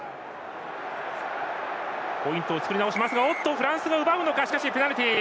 フランスが奪うのかしかしペナルティー。